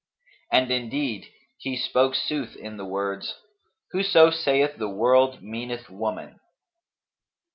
And indeed he spoke sooth in the words, 'Whoso saith the world meaneth woman.'